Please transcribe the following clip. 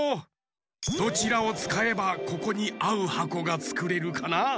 どちらをつかえばここにあうはこがつくれるかな？